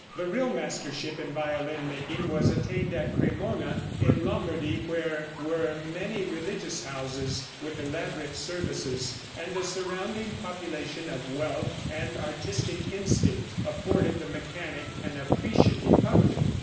The real mastership in violin making was attained at Cremona, in Lombardy, where were many religious houses with elaborate services, and a surrounding population of wealth and artistic instinct afforded the mechanic an appreciative public.